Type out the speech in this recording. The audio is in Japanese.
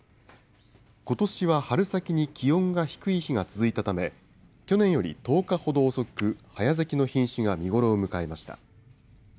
ことしは春先に気温が低い日が続いたため、去年より１０日ほど遅く、早咲きの品種が見頃を迎えました。